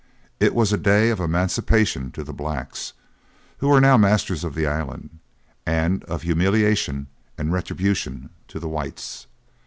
It was a day of emancipation to the blacks, who were now masters of the island, and of humiliation and retribution to the whites.'